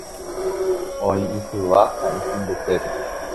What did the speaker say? Oĩ isyva ha itĩ mbytépe.